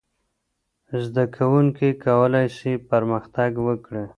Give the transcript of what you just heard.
زده کوونکي کولای سي پرمختګ وکړي.